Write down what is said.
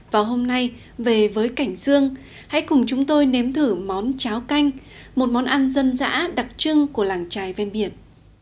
vào hôm nay về với cảnh dương hãy cùng chúng tôi nếm thử món cháo canh một món ăn dân dã đặc trưng của làng trài ven biển